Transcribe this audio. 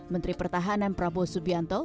menteri pertahanan prabowo subianto